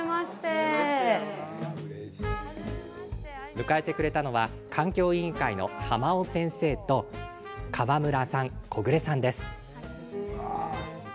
迎えてくれたのは環境委員会の濱尾先生と河邑さん、木暮さんです。